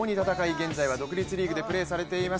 現在は独立リーグでプレーされています